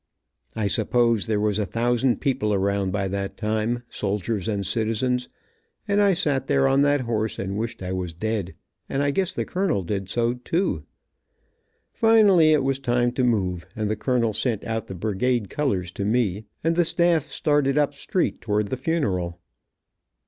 I suppose there was a thousand people around by that time, soldiers and citizens, and I sat there on that horse and wished I was dead, and I guess the colonel did so too. Finally it was time to move, and the colonel sent out the brigade colors to me, and the start started up street towards the funeral.